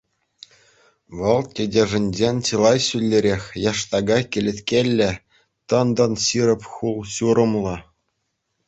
Вӑл тетӗшӗнчен чылай ҫӳллӗрех, яштака кӗлеткеллӗ, тӑн-тӑн ҫирӗп хул-ҫурӑмлӑ.